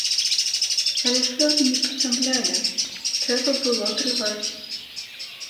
Але слёзы не пасаблялі, трэба было трываць.